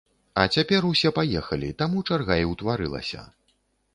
А цяпер усе паехалі, таму чарга і ўтварылася.